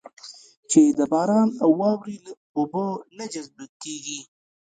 چې د باران او واورې اوبه نه جذب کېږي.